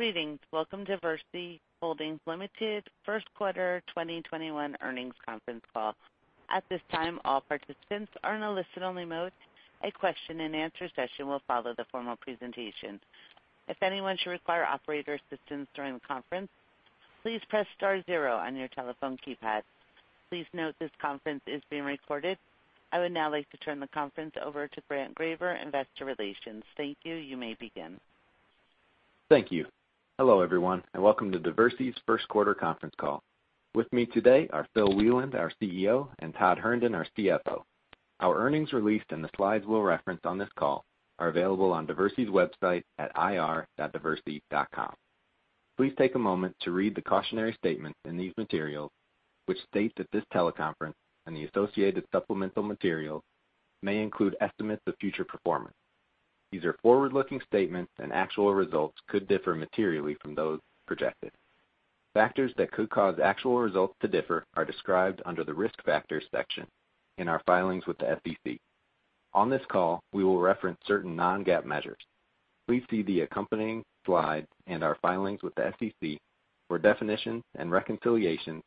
Greetings. Welcome to Diversey Holdings, Ltd. first quarter 2021 earnings conference call. At this time, all participants are in a listen-only mode. A question-and-answer session will follow the formal presentation. If anyone should require operator assistance during the conference, please press star zero on your telephone keypad. Please note this conference is being recorded. I would now like to turn the conference over to Grant Graver, Investor Relations. Thank you. You may begin. Thank you. Hello, everyone, and welcome to Diversey's first quarter conference call. With me today are Phil Wieland, our CEO, and Todd Herndon, our CFO. Our earnings release and the slides we'll reference on this call are available on Diversey's website at ir.diversey.com. Please take a moment to read the cautionary statements in these materials, which state that this teleconference and the associated supplemental materials may include estimates of future performance. These are forward-looking statements, and actual results could differ materially from those projected. Factors that could cause actual results to differ are described under the Risk Factors section in our filings with the SEC. On this call, we will reference certain non-GAAP measures. Please see the accompanying slides and our filings with the SEC for definition and reconciliation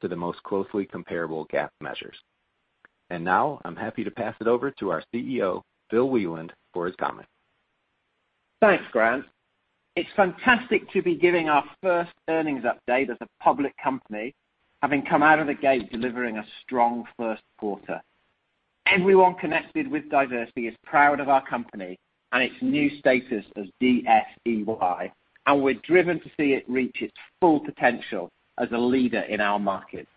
to the most closely comparable GAAP measures. Now I'm happy to pass it over to our CEO, Phil Wieland, for his comments. Thanks, Grant. It's fantastic to be giving our first earnings update as a public company, having come out of the gate delivering a strong first quarter. Everyone connected with Diversey is proud of our company and its new status as DSEY, and we're driven to see it reach its full potential as a leader in our market.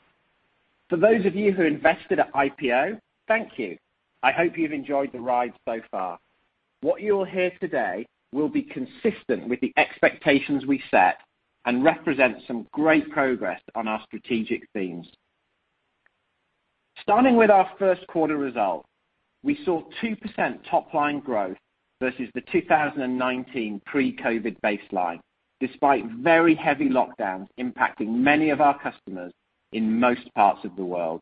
For those of you who invested at IPO, thank you. I hope you've enjoyed the ride so far. What you'll hear today will be consistent with the expectations we set and represent some great progress on our strategic themes. Starting with our first quarter results, we saw 2% top-line growth versus the 2019 pre-COVID baseline, despite very heavy lockdowns impacting many of our customers in most parts of the world.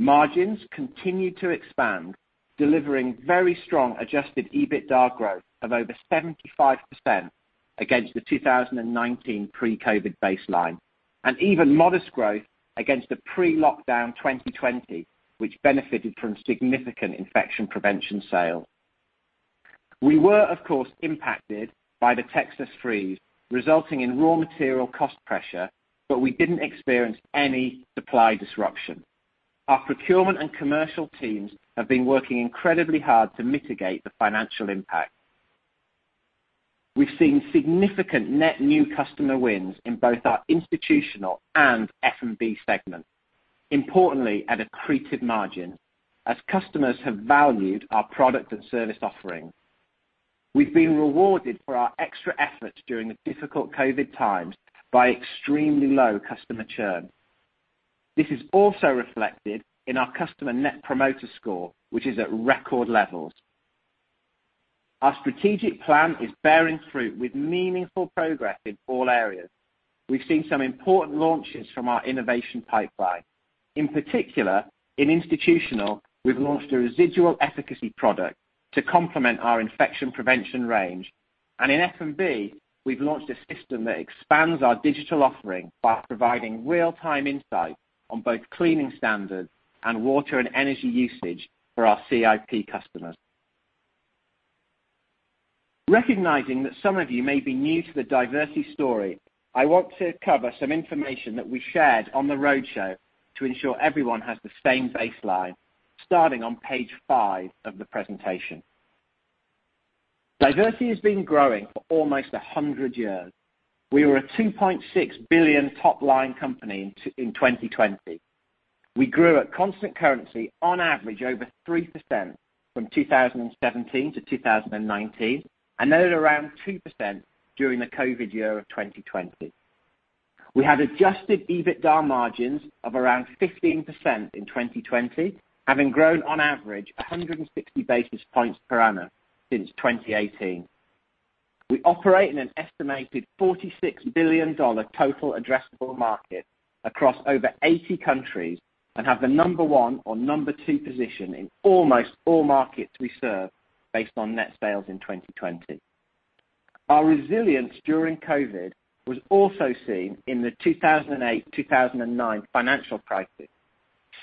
Margins continued to expand, delivering very strong adjusted EBITDA growth of over 75% against the 2019 pre-COVID baseline, and even modest growth against the pre-lockdown 2020, which benefited from significant infection prevention sales. We were, of course, impacted by the Texas freeze, resulting in raw material cost pressure, but we didn't experience any supply disruption. Our procurement and commercial teams have been working incredibly hard to mitigate the financial impact. We've seen significant net new customer wins in both our Institutional and F&B segment, importantly at accretive margin, as customers have valued our product and service offerings. We've been rewarded for our extra efforts during the difficult COVID times by extremely low customer churn. This is also reflected in our customer Net Promoter Score, which is at record levels. Our strategic plan is bearing fruit with meaningful progress in all areas. We've seen some important launches from our innovation pipeline. In particular, in Institutional, we've launched a residual efficacy product to complement our infection prevention range. In F&B, we've launched a system that expands our digital offering by providing real-time insight on both cleaning standards and water and energy usage for our CIP customers. Recognizing that some of you may be new to the Diversey story, I want to cover some information that we shared on the roadshow to ensure everyone has the same baseline, starting on page five of the presentation. Diversey has been growing for almost 100 years. We were a $2.6 billion top-line company in 2020. We grew at constant currency on average over 3% from 2017 to 2019, and then around 2% during the COVID year of 2020. We had adjusted EBITDA margins of around 15% in 2020, having grown on average 160 basis points per annum since 2018. We operate in an estimated $46 billion total addressable market across over 80 countries and have the number one or number two position in almost all markets we serve based on net sales in 2020. Our resilience during COVID was also seen in the 2008, 2009 financial crisis.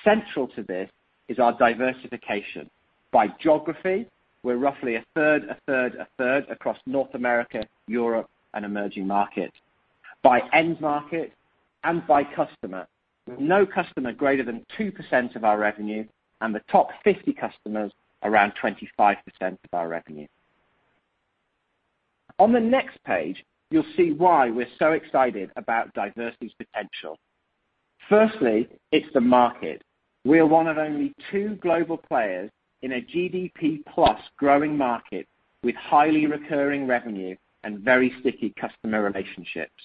Central to this is our diversification by geography. We're roughly 1/3, 1/3, 1/3 across North America, Europe, and emerging markets, by end market, and by customer. No customer greater than 2% of our revenue, and the top 50 customers around 25% of our revenue. On the next page, you'll see why we're so excited about Diversey's potential. Firstly, it's the market. We are one of only two global players in a GDP+ growing market with highly recurring revenue and very sticky customer relationships.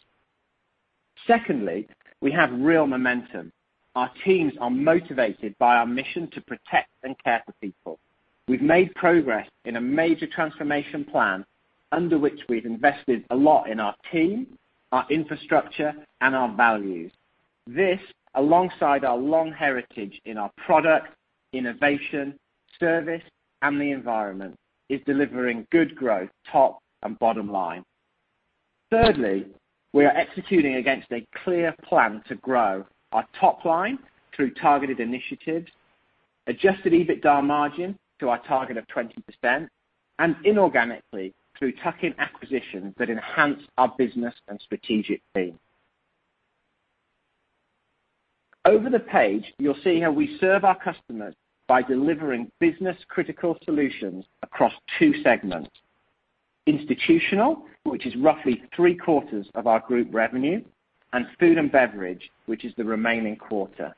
Secondly, we have real momentum. Our teams are motivated by our mission to protect and care for people. We've made progress in a major transformation plan under which we've invested a lot in our team, our infrastructure, and our values. This, alongside our long heritage in our product, innovation, service, and the environment, is delivering good growth top and bottom line. Thirdly, we are executing against a clear plan to grow our top line through targeted initiatives, adjusted EBITDA margin to our target of 20%, and inorganically, through tuck-in acquisitions that enhance our business and strategic theme. Over the page, you'll see how we serve our customers by delivering business-critical solutions across two segments. Institutional, which is roughly 3/4 of our group revenue, and Food & Beverage, which is the remaining quarter.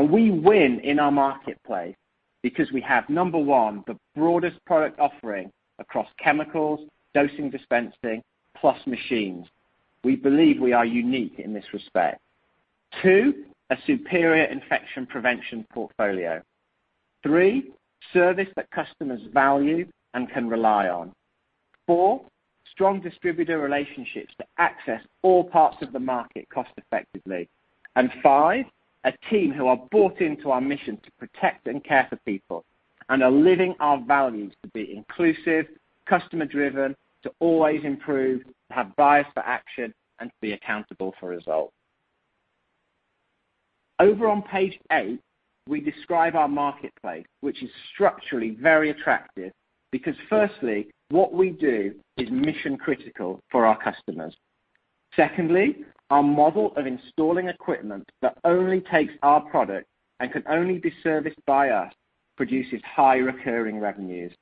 We win in our marketplace because we have, number one, the broadest product offering across chemicals, dosing, dispensing, plus machines. We believe we are unique in this respect. Two, a superior infection prevention portfolio. Three, service that customers value and can rely on. Four, strong distributor relationships to access all parts of the market cost effectively. Five, a team who are bought into our mission to protect and care for people, and are living our values to be inclusive, customer driven, to always improve, have bias for action, and to be accountable for results. Over on page eight, we describe our marketplace, which is structurally very attractive because firstly, what we do is mission critical for our customers. Secondly, our model of installing equipment that only takes our product and can only be serviced by us produces high recurring revenues.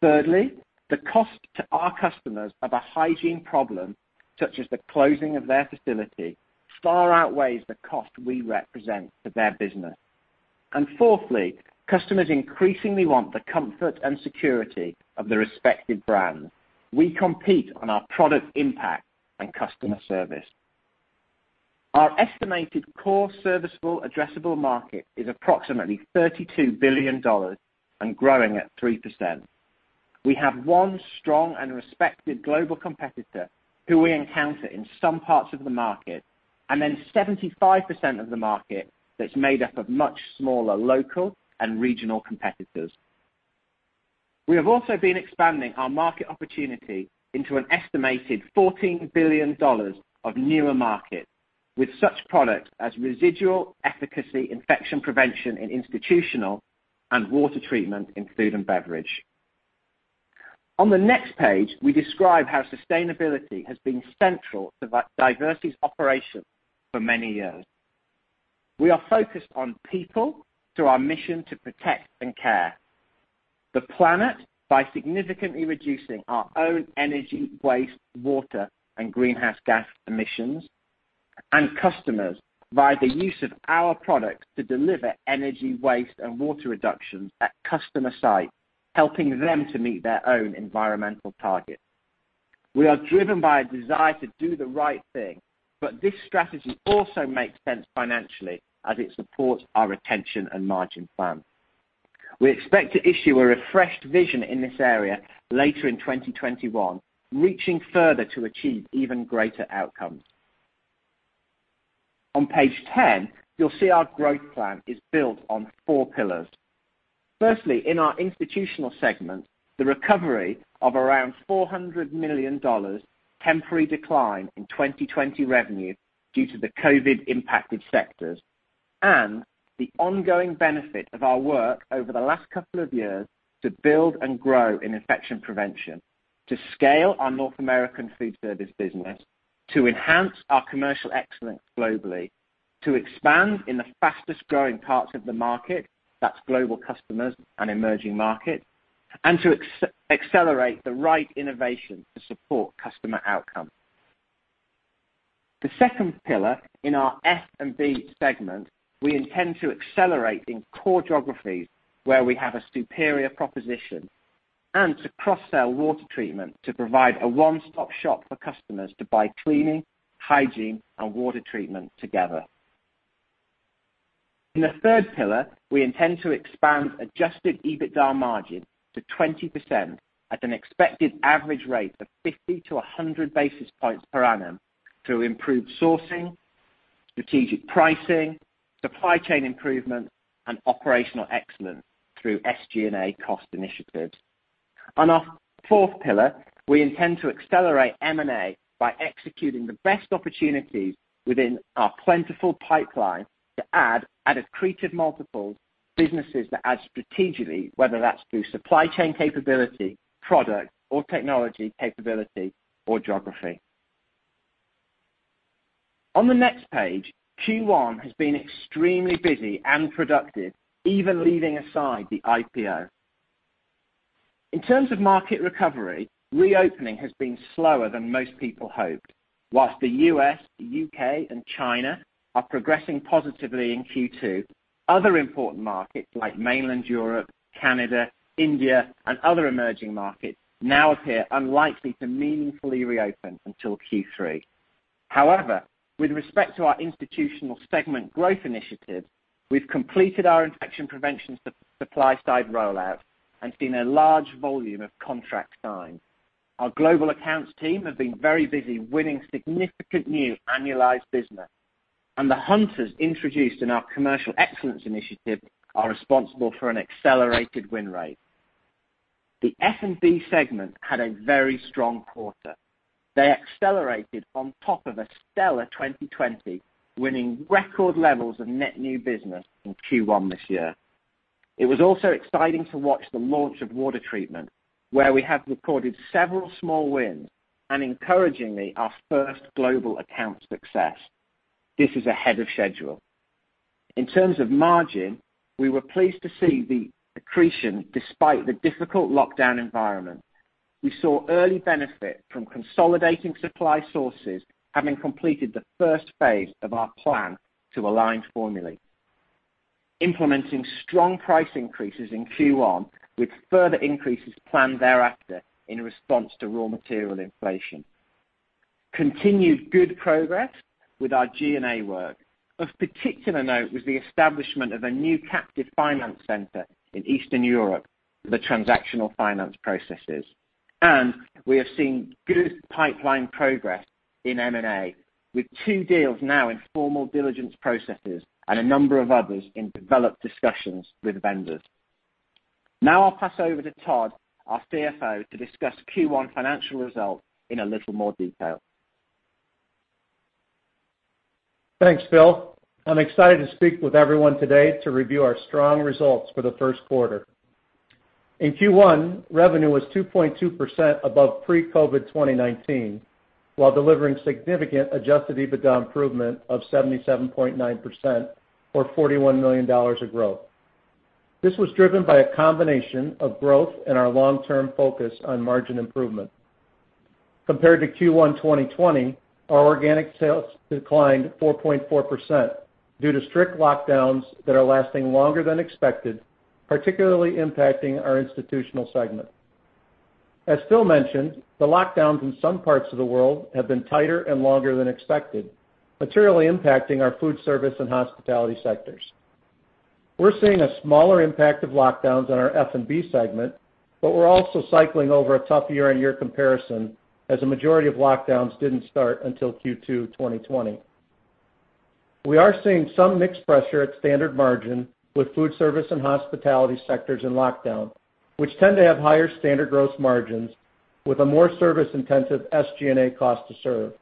Thirdly, the cost to our customers of a hygiene problem, such as the closing of their facility, far outweighs the cost we represent to their business. Fourthly, customers increasingly want the comfort and security of the respective brands. We compete on our product impact and customer service. Our estimated core serviceable addressable market is approximately $32 billion and growing at 3%. We have one strong and respected global competitor who we encounter in some parts of the market, and then 75% of the market that's made up of much smaller local and regional competitors. We have also been expanding our market opportunity into an estimated $14 billion of newer markets with such products as residual efficacy infection prevention in Institutional and water treatment in Food & Beverage. On the next page, we describe how sustainability has been central to Diversey's operation for many years. We are focused on people through our mission to protect and care. The planet, by significantly reducing our own energy waste, water, and greenhouse gas emissions. Customers, via the use of our products to deliver energy waste and water reductions at customer site, helping them to meet their own environmental targets. We are driven by a desire to do the right thing, but this strategy also makes sense financially as it supports our retention and margin plan. We expect to issue a refreshed vision in this area later in 2021, reaching further to achieve even greater outcomes. On page 10, you'll see our growth plan is built on four pillars. Firstly, in our Institutional segment, the recovery of around $400 million temporary decline in 2020 revenue due to the COVID impacted sectors. The ongoing benefit of our work over the last couple of years to build and grow in infection prevention, to scale our North American food service business, to enhance our commercial excellence globally, to expand in the fastest growing parts of the market, that's global customers and emerging markets, and to accelerate the right innovation to support customer outcomes. The second pillar in our F&B segment, we intend to accelerate in core geographies where we have a superior proposition, and to cross-sell water treatment to provide a one-stop shop for customers to buy cleaning, hygiene, and water treatment together. In the third pillar, we intend to expand adjusted EBITDA margin to 20% at an expected average rate of 50-100 basis points per annum through improved sourcing, strategic pricing, supply chain improvement, and operational excellence through SG&A cost initiatives. On our fourth pillar, we intend to accelerate M&A by executing the best opportunities within our plentiful pipeline to add, at accretive multiples, businesses that add strategically, whether that's through supply chain capability, product or technology capability, or geography. On the next page, Q1 has been extremely busy and productive, even leaving aside the IPO. In terms of market recovery, reopening has been slower than most people hoped. Whilst the U.S., U.K., and China are progressing positively in Q2, other important markets like mainland Europe, Canada, India, and other emerging markets now appear unlikely to meaningfully reopen until Q3. However, with respect to our Institutional segment growth initiatives, we've completed our infection prevention supply side rollout and seen a large volume of contracts signed. Our global accounts team have been very busy winning significant new annualized business. The hunters introduced in our commercial excellence initiative are responsible for an accelerated win rate. The F&B segment had a very strong quarter. They accelerated on top of a stellar 2020, winning record levels of net new business in Q1 this year. It was also exciting to watch the launch of water treatment, where we have recorded several small wins, and encouragingly, our first global account success. This is ahead of schedule. In terms of margin, we were pleased to see the accretion despite the difficult lockdown environment. We saw early benefit from consolidating supply sources, having completed the first phase of our plan to align formulae. Implementing strong price increases in Q1, with further increases planned thereafter in response to raw material inflation. Continued good progress with our G&A work. Of particular note was the establishment of a new captive finance center in Eastern Europe for the transactional finance processes. We have seen good pipeline progress in M&A, with two deals now in formal diligence processes and a number of others in developed discussions with vendors. I'll pass over to Todd, our CFO, to discuss Q1 financial results in a little more detail. Thanks, Phil. I'm excited to speak with everyone today to review our strong results for the first quarter. In Q1, revenue was 2.2% above pre-COVID 2019, while delivering significant adjusted EBITDA improvement of 77.9%, or $41 million of growth. This was driven by a combination of growth and our long-term focus on margin improvement. Compared to Q1 2020, our organic sales declined 4.4% due to strict lockdowns that are lasting longer than expected, particularly impacting our Institutional segment. As Phil mentioned, the lockdowns in some parts of the world have been tighter and longer than expected, materially impacting our Food Service and Hospitality sectors. We're seeing a smaller impact of lockdowns on our F&B segment, we're also cycling over a tough year-on-year comparison, as a majority of lockdowns didn't start until Q2 2020. We are seeing some mixed pressure at standard margin with Food Service and Hospitality sectors in lockdown, which tend to have higher standard gross margins with a more service-intensive SG&A cost to serve.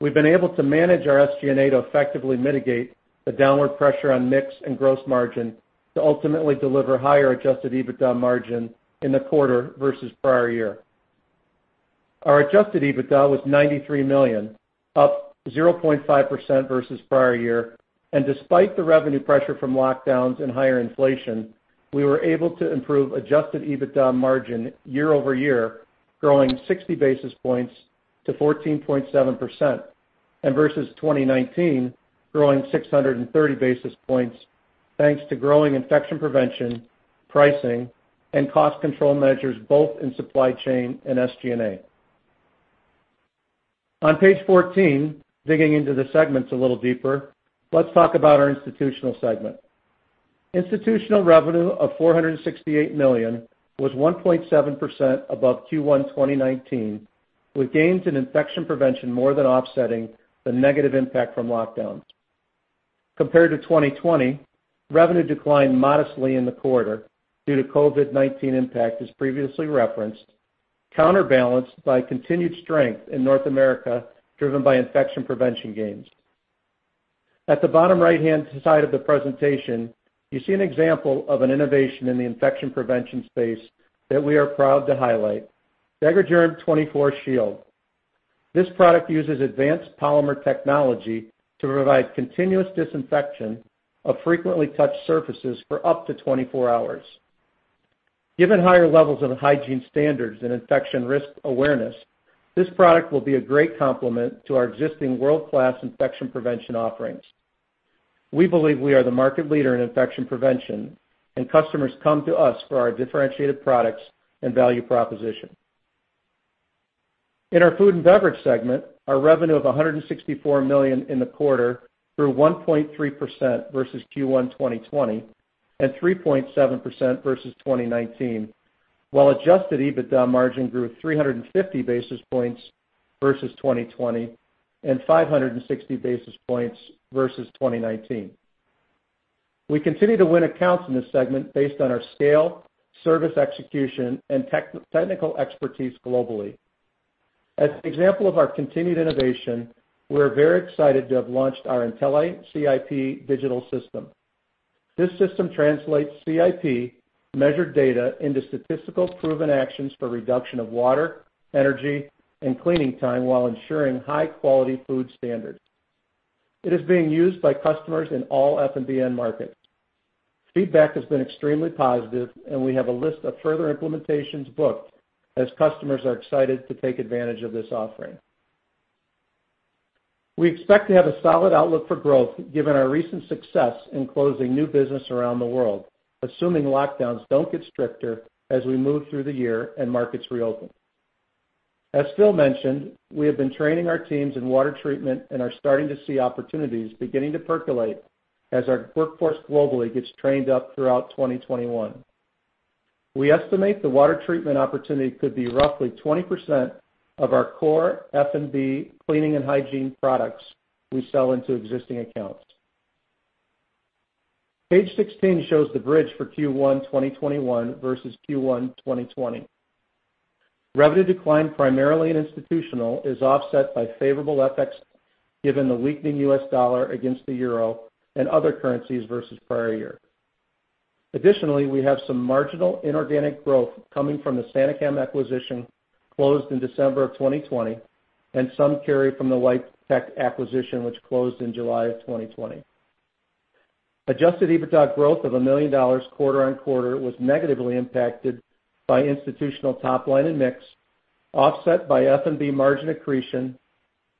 We've been able to manage our SG&A to effectively mitigate the downward pressure on mix and gross margin to ultimately deliver higher adjusted EBITDA margin in the quarter versus prior year. Our adjusted EBITDA was $93 million, up 0.5% versus prior year. Despite the revenue pressure from lockdowns and higher inflation, we were able to improve adjusted EBITDA margin year-over-year, growing 60 basis points to 14.7%, and versus 2019, growing 630 basis points, thanks to growing infection prevention, pricing, and cost control measures, both in supply chain and SG&A. On page 14, digging into the segments a little deeper, let's talk about our Institutional segment. Institutional revenue of $468 million was 1.7% above Q1 2019, with gains in infection prevention more than offsetting the negative impact from lockdowns. Compared to 2020, revenue declined modestly in the quarter due to COVID-19 impact, as previously referenced, counterbalanced by continued strength in North America, driven by infection prevention gains. At the bottom right-hand side of the presentation, you see an example of an innovation in the infection prevention space that we are proud to highlight, Degragerm 24 Shield. This product uses advanced polymer technology to provide continuous disinfection of frequently touched surfaces for up to 24 hours. Given higher levels of hygiene standards and infection risk awareness, this product will be a great complement to our existing world-class infection prevention offerings. We believe we are the market leader in infection prevention, and customers come to us for our differentiated products and value proposition. In our Food & Beverage segment, our revenue of $164 million in the quarter grew 1.3% versus Q1 2020 and 3.7% versus 2019, while adjusted EBITDA margin grew 350 basis points versus 2020 and 560 basis points versus 2019. We continue to win accounts in this segment based on our scale, service execution, and technical expertise globally. As an example of our continued innovation, we're very excited to have launched our IntelliCIP digital system. This system translates CIP measured data into statistical proven actions for reduction of water, energy, and cleaning time, while ensuring high-quality food standards. It is being used by customers in all F&B end markets. Feedback has been extremely positive, and we have a list of further implementations booked as customers are excited to take advantage of this offering. We expect to have a solid outlook for growth given our recent success in closing new business around the world, assuming lockdowns don't get stricter as we move through the year and markets reopen. As Phil mentioned, we have been training our teams in water treatment and are starting to see opportunities beginning to percolate as our workforce globally gets trained up throughout 2021. We estimate the water treatment opportunity could be roughly 20% of our core F&B cleaning and hygiene products we sell into existing accounts. Page 16 shows the bridge for Q1 2021 versus Q1 2020. Revenue decline primarily in Institutional is offset by favorable FX, given the weakening US dollar against the euro and other currencies versus prior year. Additionally, we have some marginal inorganic growth coming from the SaneChem acquisition closed in December 2020, and some carry from the Wypetech acquisition, which closed in July 2020. adjusted EBITDA growth of $1 million quarter-on-quarter was negatively impacted by Institutional top line and mix, offset by F&B margin accretion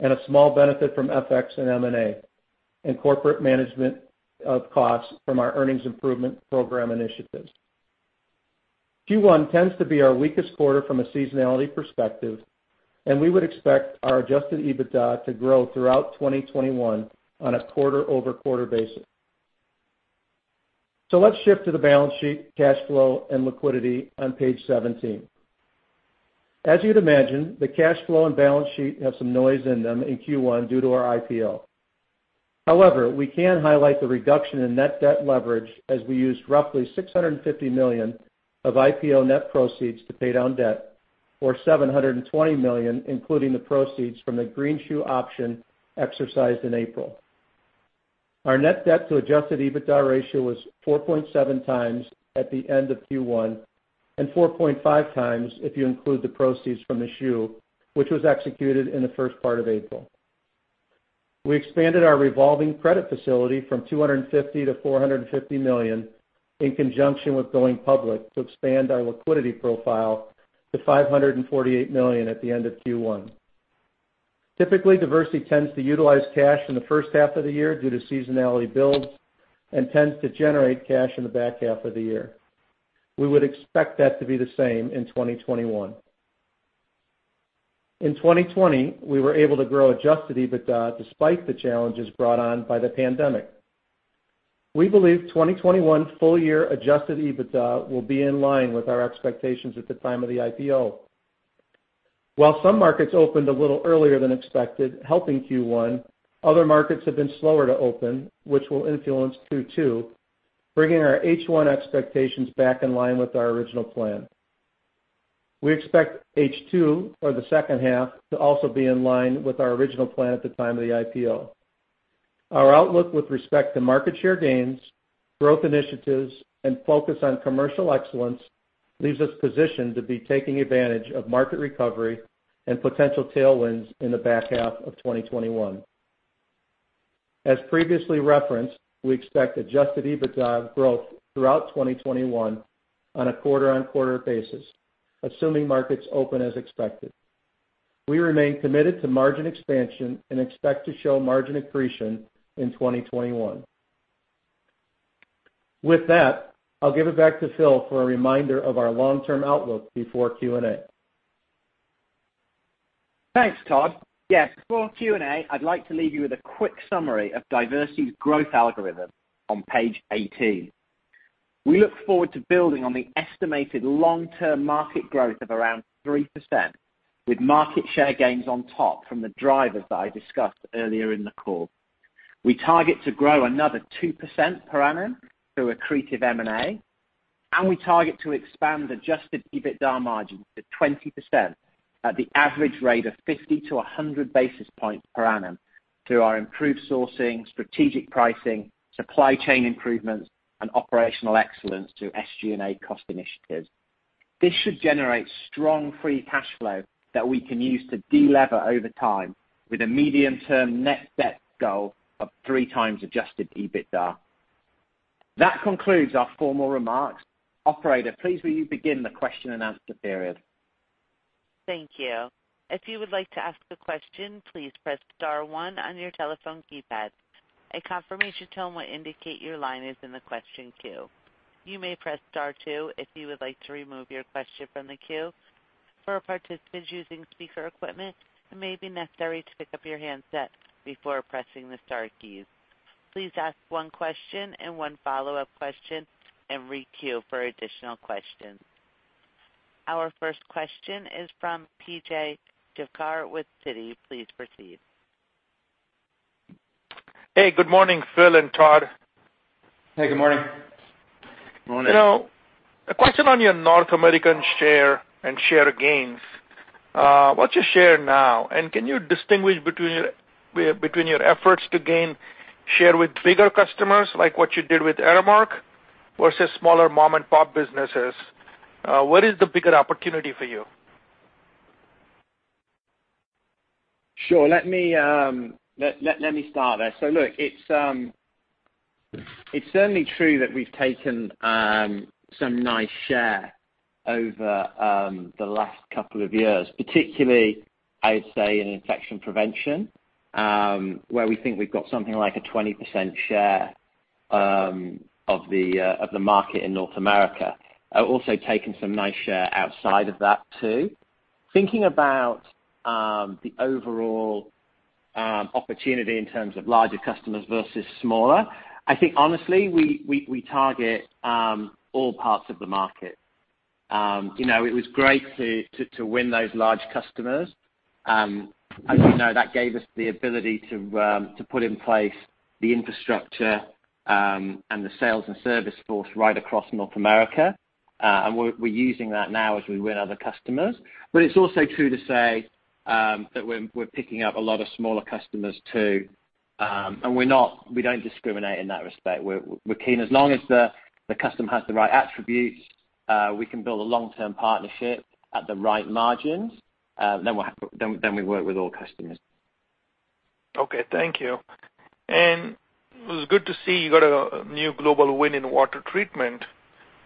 and a small benefit from FX and M&A and corporate management of costs from our earnings improvement program initiatives. Q1 tends to be our weakest quarter from a seasonality perspective, we would expect our adjusted EBITDA to grow throughout 2021 on a quarter-over-quarter basis. Let's shift to the balance sheet, cash flow, and liquidity on page 17. As you'd imagine, the cash flow and balance sheet have some noise in them in Q1 due to our IPO. However, we can highlight the reduction in net debt leverage as we used roughly $650 million of IPO net proceeds to pay down debt, or $720 million, including the proceeds from the greenshoe option exercised in April. Our net debt to adjusted EBITDA ratio was 4.7x at the end of Q1 and 4.5x if you include the proceeds from the shoe, which was executed in the first part of April. We expanded our revolving credit facility from $250 million to $450 million in conjunction with going public to expand our liquidity profile to $548 million at the end of Q1. Typically, Diversey tends to utilize cash in the first half of the year due to seasonality builds and tends to generate cash in the back half of the year. We would expect that to be the same in 2021. In 2020, we were able to grow adjusted EBITDA despite the challenges brought on by the pandemic. We believe 2021 full-year adjusted EBITDA will be in line with our expectations at the time of the IPO. While some markets opened a little earlier than expected, helping Q1, other markets have been slower to open, which will influence Q2, bringing our H1 expectations back in line with our original plan. We expect H2, or the second half, to also be in line with our original plan at the time of the IPO. Our outlook with respect to market share gains, growth initiatives, and focus on commercial excellence leaves us positioned to be taking advantage of market recovery and potential tailwinds in the back half of 2021. As previously referenced, we expect adjusted EBITDA growth throughout 2021 on a quarter-over-quarter basis, assuming markets open as expected. We remain committed to margin expansion and expect to show margin accretion in 2021. With that, I'll give it back to Phil for a reminder of our long-term outlook before Q&A. Thanks, Todd. Yes, before Q&A, I'd like to leave you with a quick summary of Diversey's growth algorithm on page 18. We look forward to building on the estimated long-term market growth of around 3%, with market share gains on top from the drivers that I discussed earlier in the call. We target to grow another 2% per annum through accretive M&A, and we target to expand adjusted EBITDA margins to 20% at the average rate of 50-100 basis points per annum through our improved sourcing, strategic pricing, supply chain improvements, and operational excellence through SG&A cost initiatives. This should generate strong free cash flow that we can use to delever over time with a medium-term net debt goal of 3x adjusted EBITDA. That concludes our formal remarks. Operator, please will you begin the question-and-answer period? Thank you. If you would like to ask a question, please press star one on your telephone keypad. A confirmation tone will indicate your line is in the question queue. You may press star two if you would like to remove your question from the queue. For participants using speaker equipment, it may be necessary to pick up your handset before pressing the star keys. Please ask one question and one follow-up question and re-queue for additional questions. Our first question is from P.J. Juvekar with Citi. Please proceed. Hey, good morning, Phil and Todd. Hey, good morning. Morning. A question on your North American share and share gains. What's your share now? Can you distinguish between your efforts to gain share with bigger customers, like what you did with Aramark versus smaller mom and pop businesses? What is the bigger opportunity for you? Sure. Let me start there. Look, it's certainly true that we've taken some nice share over the last couple of years, particularly, I'd say, in infection prevention, where we think we've got something like a 20% share of the market in North America. Also taken some nice share outside of that too. Thinking about the overall opportunity in terms of larger customers versus smaller, I think honestly, we target all parts of the market. It was great to win those large customers. As you know, that gave us the ability to put in place the infrastructure and the sales and service force right across North America, and we're using that now as we win other customers. It's also true to say that we're picking up a lot of smaller customers too, and we don't discriminate in that respect. We're keen. As long as the customer has the right attributes, we can build a long-term partnership at the right margins, then we work with all customers. Okay, thank you. It was good to see you got a new global win in water treatment.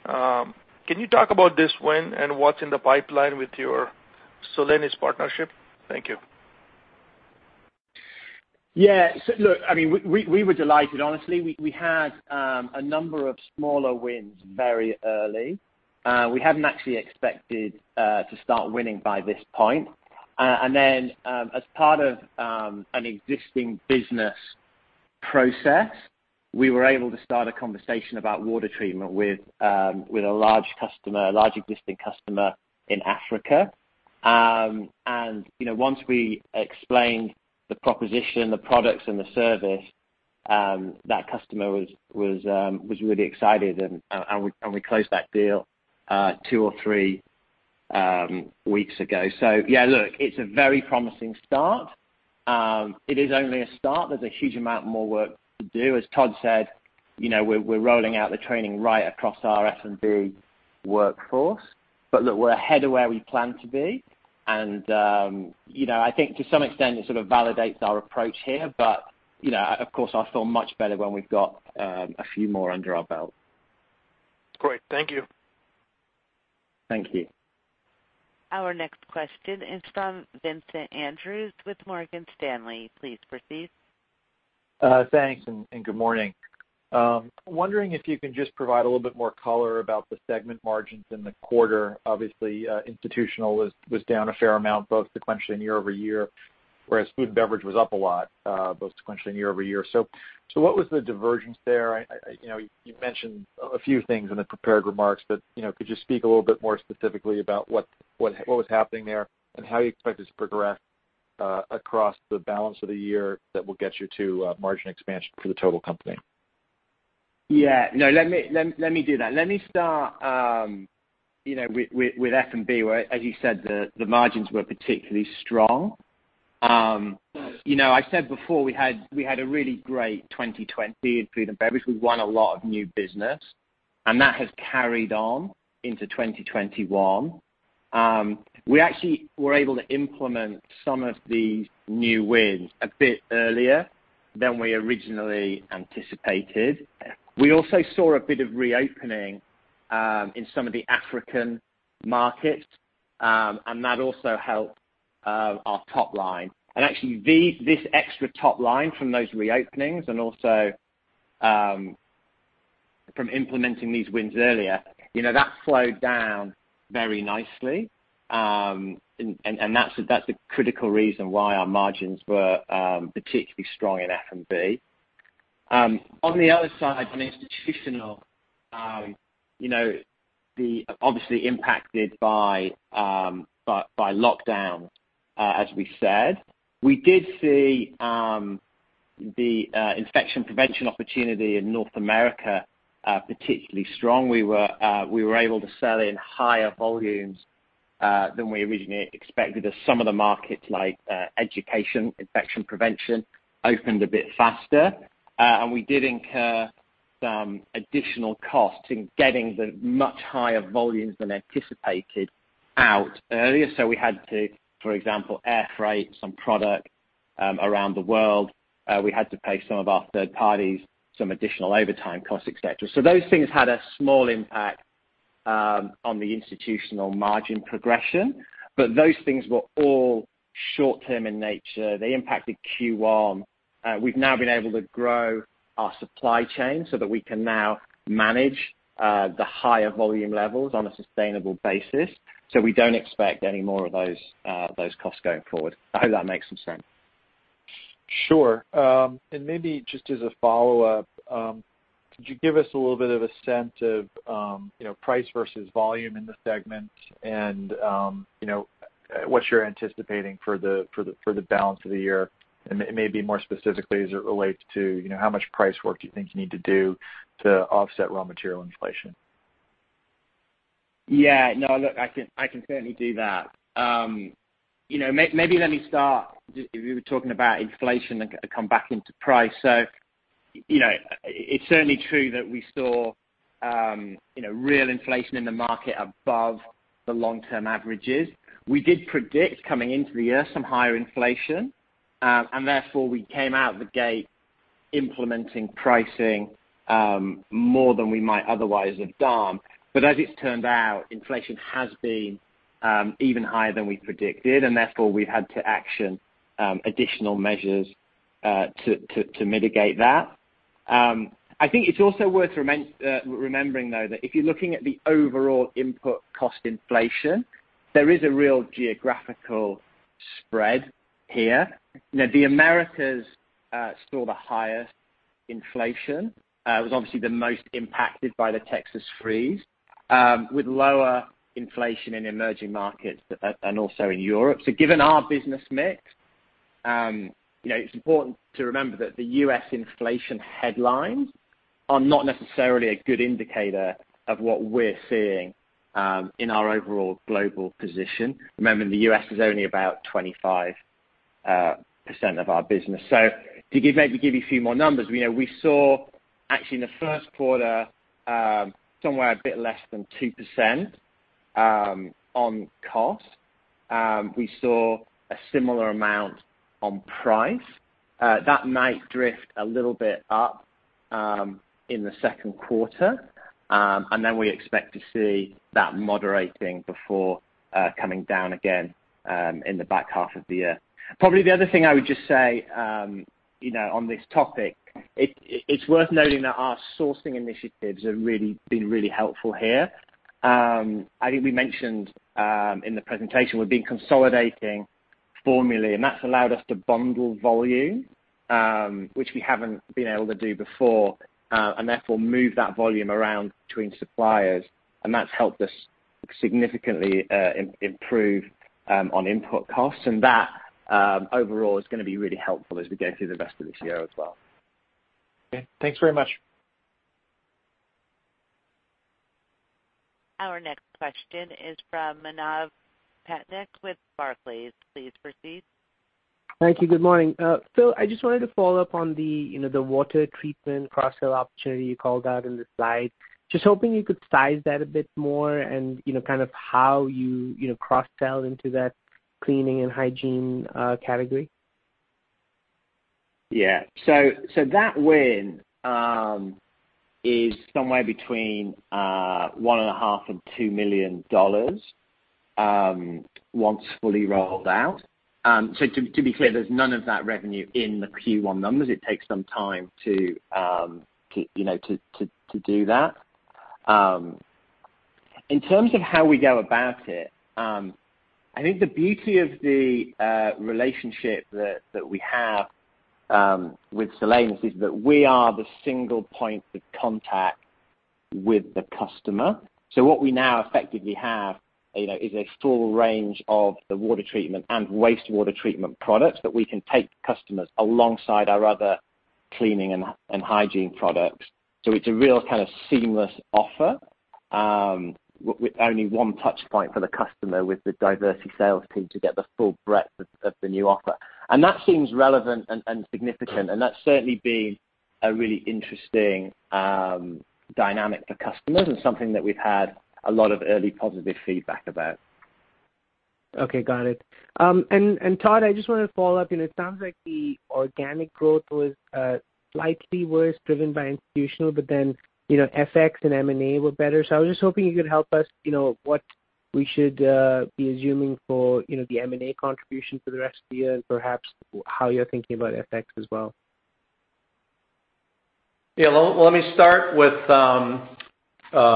Can you talk about this win and what's in the pipeline with your Solenis partnership? Thank you. Yeah. Look, we were delighted, honestly. We had a number of smaller wins very early. We hadn't actually expected to start winning by this point. Then, as part of an existing business process, we were able to start a conversation about water treatment with a large existing customer in Africa. Once we explained the proposition, the products and the service, that customer was really excited, and we closed that deal two or three weeks ago. Yeah, look, it's a very promising start. It is only a start. There's a huge amount more work to do. As Todd said, we're rolling out the training right across our F&B workforce. Look, we're ahead of where we planned to be, and I think to some extent, it sort of validates our approach here. Of course, I'll feel much better when we've got a few more under our belt. Great, thank you. Thank you. Our next question is from Vincent Andrews with Morgan Stanley. Please proceed. Thanks. Good morning. Wondering if you can just provide a little bit more color about the segment margins in the quarter. Obviously, Institutional was down a fair amount, both sequentially and year-over-year, whereas Food & Beverage was up a lot, both sequentially and year-over-year. What was the divergence there? You mentioned a few things in the prepared remarks, but could you speak a little bit more specifically about what was happening there and how you expect it to progress across the balance of the year that will get you to margin expansion for the total company? Yeah. No, let me do that. Let me start with F&B, where, as you said, the margins were particularly strong. I said before, we had a really great 2020 in Food & Beverage. We won a lot of new business, and that has carried on into 2021. We actually were able to implement some of these new wins a bit earlier than we originally anticipated. We also saw a bit of reopening in some of the African markets, and that also helped our top line. Actually, this extra top line from those reopenings and also from implementing these wins earlier, that flowed down very nicely, and that's a critical reason why our margins were particularly strong in F&B. On the other side, on Institutional, obviously impacted by lockdown, as we said. We did see the infection prevention opportunity in North America particularly strong. We were able to sell in higher volumes than we originally expected, as some of the markets, like education infection prevention, opened a bit faster. We did incur some additional costs in getting the much higher volumes than anticipated out earlier. We had to, for example, air freight some product around the world. We had to pay some of our third parties some additional overtime costs, et cetera. Those things had a small impact on the Institutional margin progression. Those things were all short-term in nature. They impacted Q1. We've now been able to grow our supply chain so that we can now manage the higher volume levels on a sustainable basis. We don't expect any more of those costs going forward. I hope that makes some sense. Sure. Maybe just as a follow-up, could you give us a little bit of a sense of price versus volume in the segment and what you're anticipating for the balance of the year? Maybe more specifically as it relates to how much price work you think you need to do to offset raw material inflation. No, look, I can certainly do that. Maybe let me start, you were talking about inflation, and come back into price. It's certainly true that we saw real inflation in the market above the long-term averages. We did predict coming into the year some higher inflation, and therefore we came out the gate implementing pricing more than we might otherwise have done. As it's turned out, inflation has been even higher than we predicted, and therefore, we've had to action additional measures to mitigate that. I think it's also worth remembering, though, that if you're looking at the overall input cost inflation, there is a real geographical spread here. The Americas saw the highest inflation. It was obviously the most impacted by the Texas freeze, with lower inflation in emerging markets and also in Europe. Given our business mix, it's important to remember that the U.S. inflation headlines are not necessarily a good indicator of what we're seeing in our overall global position. Remember, the U.S. is only about 25% of our business. To maybe give you a few more numbers, we saw actually in the first quarter, somewhere a bit less than 2% on cost. We saw a similar amount on price. That might drift a little bit up in the second quarter, and then we expect to see that moderating before coming down again in the back half of the year. Probably the other thing I would just say on this topic, it's worth noting that our sourcing initiatives have really been really helpful here. I think we mentioned in the presentation, we've been consolidating formulae, and that's allowed us to bundle volume, which we haven't been able to do before, and therefore move that volume around between suppliers, and that's helped us significantly improve on input costs. That, overall, is going to be really helpful as we go through the rest of this year as well. Okay. Thanks very much. Our next question is from Manav Patnaik with Barclays. Please proceed. Thank you. Good morning. Phil, I just wanted to follow up on the water treatment cross-sell opportunity you called out in the slide. Just hoping you could size that a bit more and kind of how you cross-sell into that cleaning and hygiene category. Yeah. That win is somewhere between $1.5 million and $2 million, once fully rolled out. To be clear, there's none of that revenue in the Q1 numbers. It takes some time to do that. In terms of how we go about it, I think the beauty of the relationship that we have with Solenis is that we are the single point of contact with the customer. What we now effectively have is a full range of the water treatment and wastewater treatment products that we can take customers alongside our other cleaning and hygiene products. It's a real kind of seamless offer with only one touch point for the customer with the Diversey sales team to get the full breadth of the new offer. That seems relevant and significant, and that's certainly been a really interesting dynamic for customers and something that we've had a lot of early positive feedback about. Okay, got it. Todd, I just wanted to follow up. It sounds like the organic growth was slightly worse, driven by Institutional, but then FX and M&A were better. I was just hoping you could help us, what we should be assuming for the M&A contribution for the rest of the year and perhaps how you're thinking about FX as well. Yeah. Let me start with FX.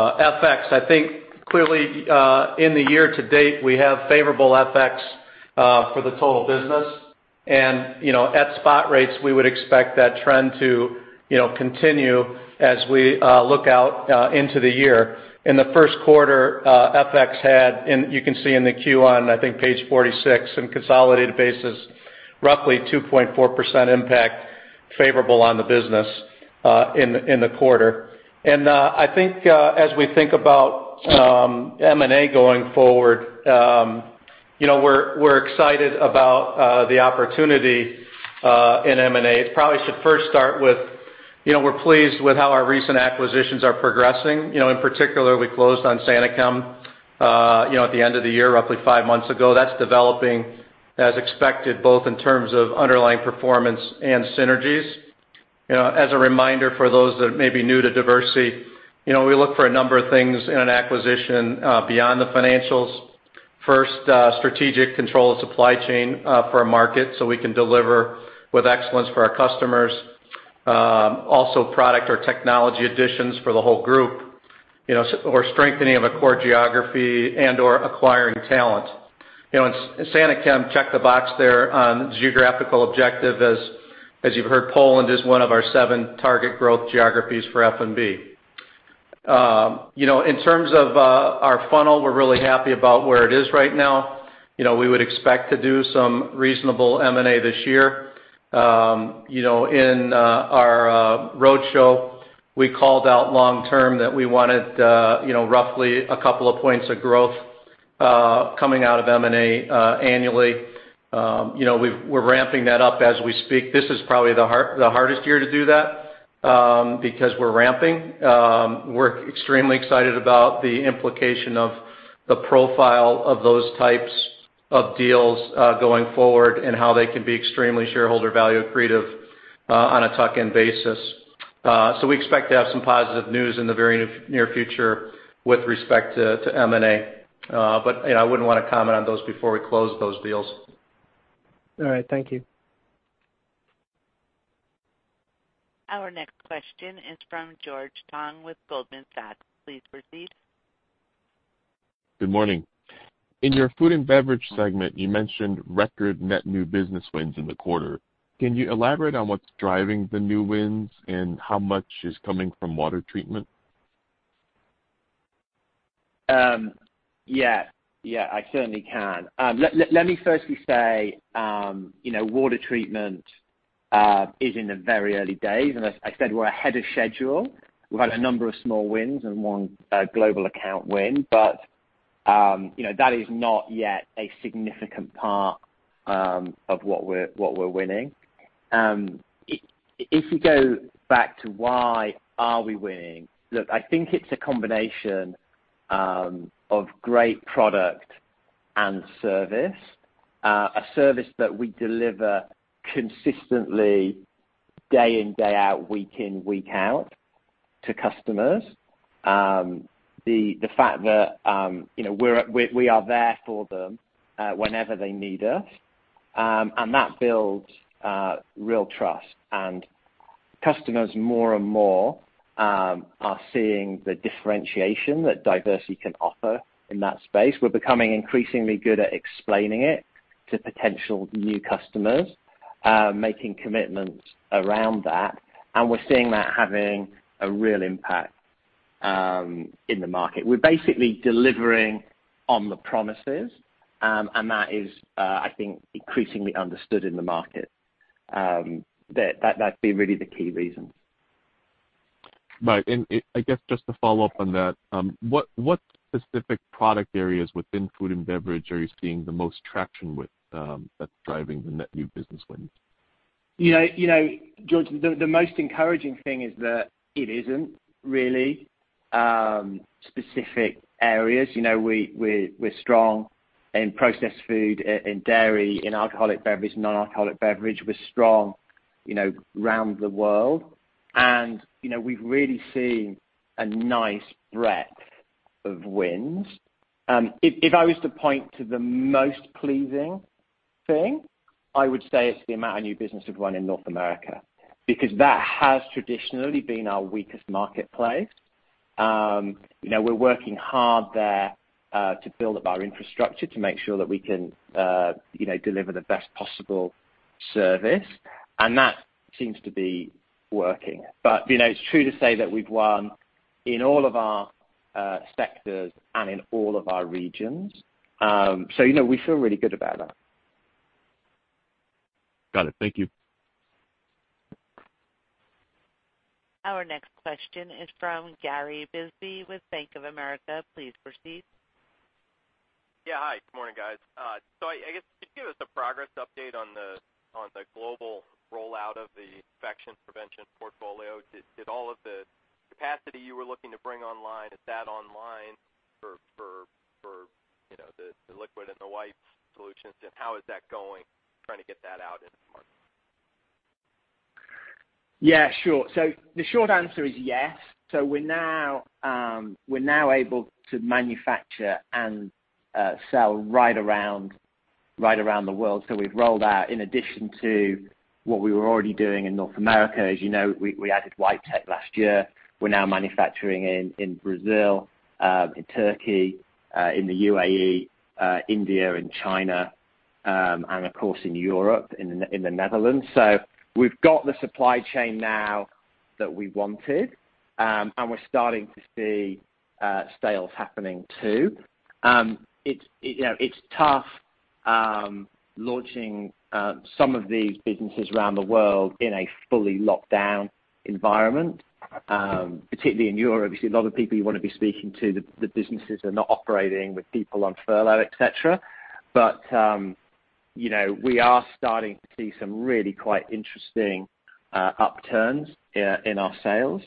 I think clearly, in the year to date, we have favorable FX for the total business. At spot rates, we would expect that trend to continue as we look out into the year. In the first quarter, FX had, you can see in the Q1, I think page 46, in consolidated basis, roughly 2.4% impact favorable on the business in the quarter. I think as we think about M&A going forward, we're excited about the opportunity in M&A. Probably should first start with, we're pleased with how our recent acquisitions are progressing. In particular, we closed on SaneChem at the end of the year, roughly five months ago. That's developing as expected, both in terms of underlying performance and synergies. As a reminder, for those that may be new to Diversey, we look for a number of things in an acquisition beyond the financials. First, strategic control of supply chain for a market so we can deliver with excellence for our customers. Also, product or technology additions for the whole group, or strengthening of a core geography and/or acquiring talent. SaneChem checked the box there on the geographical objective as you've heard, Poland is one of our seven target growth geographies for F&B. In terms of our funnel, we're really happy about where it is right now. We would expect to do some reasonable M&A this year. In our roadshow, we called out long term that we wanted roughly a couple of points of growth, coming out of M&A annually. We're ramping that up as we speak. This is probably the hardest year to do that, because we're ramping. We're extremely excited about the implication of the profile of those types of deals going forward and how they can be extremely shareholder value accretive on a tuck-in basis. We expect to have some positive news in the very near future with respect to M&A. I wouldn't want to comment on those before we close those deals. All right. Thank you. Our next question is from George Tong with Goldman Sachs. Please proceed. Good morning. In your Food & Beverage segment, you mentioned record net new business wins in the quarter. Can you elaborate on what's driving the new wins and how much is coming from water treatment? Yeah. I certainly can. Let me firstly say, water treatment is in the very early days, and as I said, we're ahead of schedule. We've had a number of small wins and one global account win. That is not yet a significant part of what we're winning. If you go back to why are we winning? Look, I think it's a combination of great product and service. A service that we deliver consistently day in, day out, week in, week out to customers. The fact that we are there for them whenever they need us. That builds real trust. Customers more and more are seeing the differentiation that Diversey can offer in that space. We're becoming increasingly good at explaining it to potential new customers, making commitments around that, and we're seeing that having a real impact in the market. We're basically delivering on the promises, and that is, I think, increasingly understood in the market. That'd be really the key reason. Right. I guess just to follow up on that, what specific product areas within Food & Beverage are you seeing the most traction with that's driving the net new business wins? George, the most encouraging thing is that it isn't really specific areas. We're strong in processed food and dairy, in alcoholic beverage, non-alcoholic beverage. We're strong around the world. We've really seen a nice breadth of wins. If I was to point to the most pleasing thing, I would say it's the amount of new business we've won in North America, because that has traditionally been our weakest marketplace. We're working hard there to build up our infrastructure to make sure that we can deliver the best possible service, and that seems to be working. It's true to say that we've won in all of our sectors and in all of our regions. We feel really good about that. Got it. Thank you. Our next question is from Gary Bisbee with Bank of America. Please proceed. Yeah. Hi. Good morning, guys. I guess could you give us a progress update on the global rollout of the infection prevention portfolio? Did all of the capacity you were looking to bring online, is that online for the liquid and the wipes solutions, and how is that going trying to get that out into the market? Yeah, sure. The short answer is yes. We're now able to manufacture and sell right around the world. We've rolled out, in addition to what we were already doing in North America, as you know, we added Wypetech last year. We're now manufacturing in Brazil, in Turkey, in the UAE, India, and China, and of course, in Europe, in the Netherlands. We've got the supply chain now that we wanted, and we're starting to see sales happening, too. It's tough launching some of these businesses around the world in a fully locked-down environment, particularly in Europe. You see a lot of people you want to be speaking to, the businesses are not operating with people on furlough, et cetera. We are starting to see some really quite interesting upturns in our sales.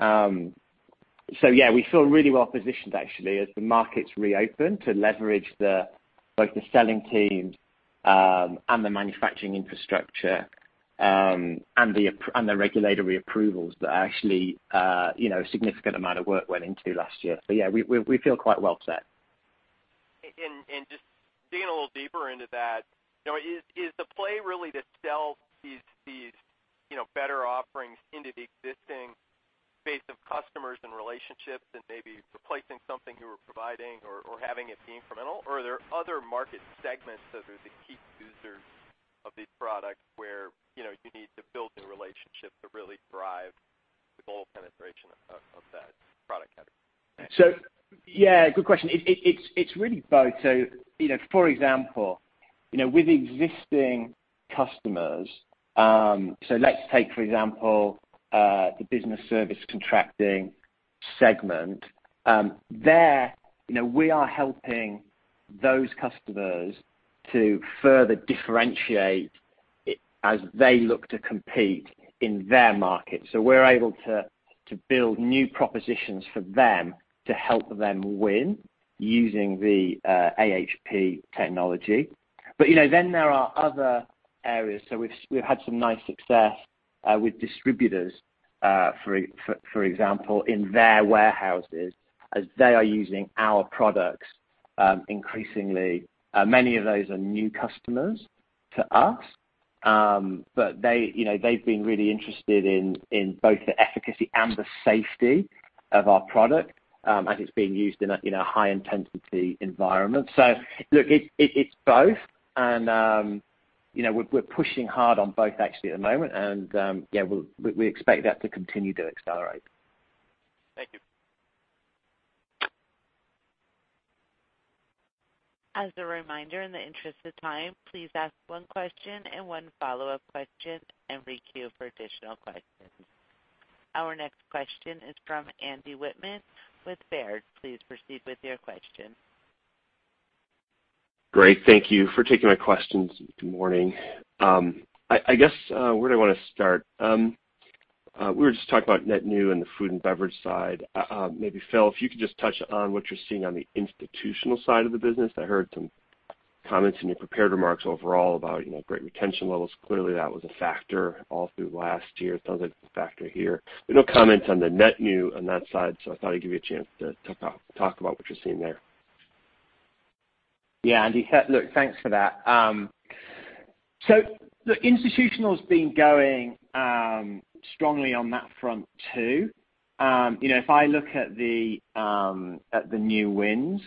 Yeah, we feel really well positioned actually, as the markets reopen, to leverage both the selling teams and the manufacturing infrastructure, and the regulatory approvals that actually a significant amount of work went into last year. Yeah, we feel quite well set. Just digging a little deeper into that, is the play really to sell these better offerings into the existing base of customers and relationships and maybe replacing something you were providing or having it be incremental, or are there other market segments that are the key users of these products where you need to build new relationships to really drive the growth penetration of that product category? Yeah, good question. It's really both. For example, with existing customers, let's take, for example, the business service contracting segment. There, we are helping those customers to further differentiate as they look to compete in their market. We're able to build new propositions for them to help them win using the AHP technology. Then there are other areas. We've had some nice success with distributors, for example, in their warehouses as they are using our products increasingly. Many of those are new customers to us. They've been really interested in both the efficacy and the safety of our product, as it's being used in a high-intensity environment. Look, it's both. We're pushing hard on both actually at the moment. Yeah, we expect that to continue to accelerate. Thank you. As a reminder, in the interest of time, please ask one question and one follow-up question and re-queue for additional questions. Our next question is from Andy Wittmann with Baird. Please proceed with your question. Great. Thank you for taking my questions. Good morning. I guess, where do I want to start? We were just talking about net new and the Food & Beverage side. Maybe, Phil, if you could just touch on what you're seeing on the Institutional side of the business. I heard some comments in your prepared remarks overall about great retention levels. Clearly, that was a factor all through last year. It sounds like it's a factor here. No comments on the net new on that side. I thought I'd give you a chance to talk about what you're seeing there. Yeah, Andy. Look, thanks for that. Look, Institutional's been going strongly on that front, too. If I look at the new wins,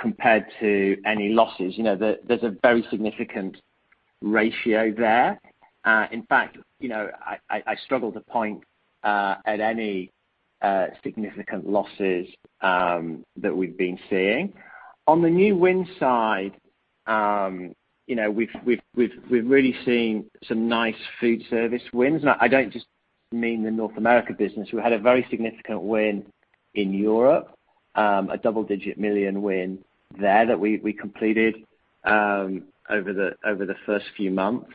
compared to any losses, there's a very significant ratio there. In fact, I struggle to point at any significant losses that we've been seeing. On the new win side, we've really seen some nice food service wins. I don't just mean the North America business. We had a very significant win in Europe, a double-digit million win there that we completed over the first few months.